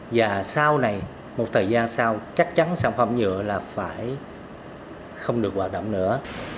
và sau này một thời gian sau chắc chắn sản phẩm nhựa là phải không được hoạt động nữa